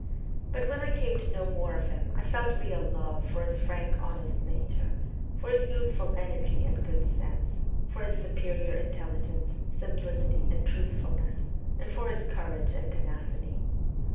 But when I came to know more of him, I felt real love for his honest, frank nature, for his youthful energy and good sense, for his superior intelligence, simplicity, and truthfulness, and for his courage and tenacity.